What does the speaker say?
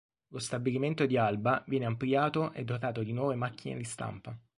Lo stabilimento di Alba viene ampliato e dotato di nuove macchine di stampa.